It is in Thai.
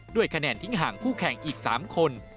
ด้วยคะแนนทิ้งห่างคู่แข่งอีก๓คน